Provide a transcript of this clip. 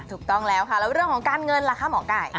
ถูกต้องแล้วค่ะแล้วเรื่องของการเงินล่ะคะหมอไก่